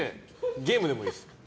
ゲームでもいいです